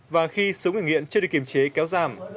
và khi số người nghiện chưa được kiềm chế kéo giảm